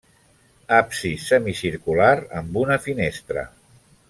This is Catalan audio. Absis semicircular amb una finestra.